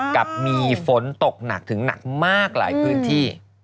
กับมีฝนตกหนักถึงหนักมากหลายพื้นที่